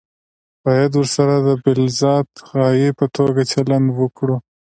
باید ورسره د بالذات غایې په توګه چلند وکړو.